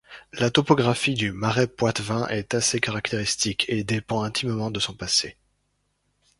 La topographie du Marais poitevin est assez caractéristique et dépend intimement de son passé.